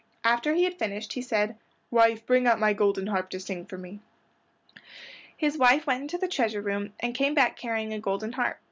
After he had finished he said, "Wife, bring out my golden harp to sing for me." His wife went into the treasure room and came back carrying a golden harp.